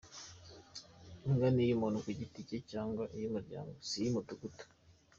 Imbwa ni iy’umuntu ku giti cye cyangwa iy’umuryango; si iy’umudugudu.